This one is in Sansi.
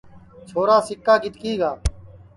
چھورا سِکا گِٹکِی گا